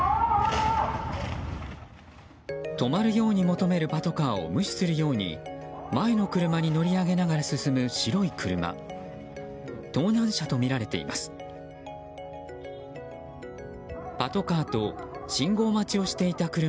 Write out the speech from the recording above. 止まるように求めるパトカーを無視するように前の車に乗り上げながら進む白い車。